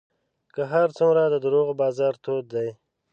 که هر څومره د دروغو بازار تود دی